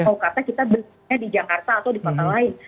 oh kata kita belinya di jakarta atau di kota lain